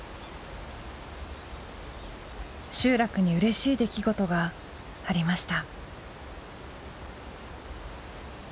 集落にうれしい出来事がありました。